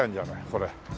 これ。